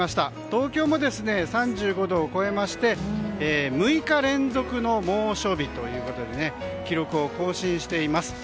東京も３５度を超えまして６日連続の猛暑日ということで記録を更新しています。